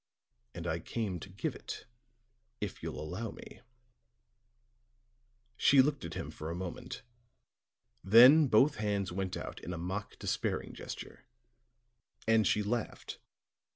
"And I came to give it if you'll allow me," said Ashton Kirk, quietly. She looked at him for a moment, then both hands went out in a mock despairing gesture, and she laughed.